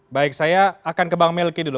baik saya akan ke bang melke habis